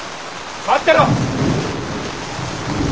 待ってろ！